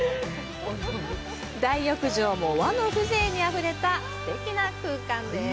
大浴場も和の風情にあふれたすてきな空間です。